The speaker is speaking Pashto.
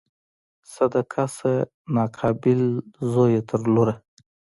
صدقه شه ناقابل زویه تر لوره